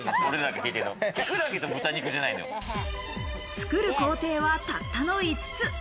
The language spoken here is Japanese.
作る工程はたったの５つ。